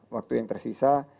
waktu yang tersisa